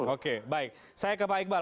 oke baik saya ke pak iqbal